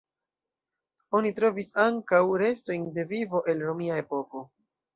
Oni trovis ankaŭ restojn de vivo el romia epoko.